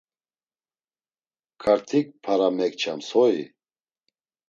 Kartik para mekçams hoi?